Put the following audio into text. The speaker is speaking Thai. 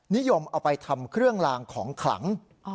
นิยมเอาไปทำเครื่องลางของขลัง